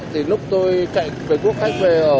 thì lúc tôi chạy với quốc khách về